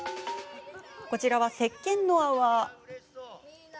こちらは、せっけんの泡。